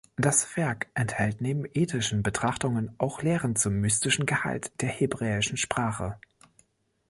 Das Werk enthält neben ethischen Betrachtungen auch Lehren zum mystischen Gehalt der hebräischen Sprache.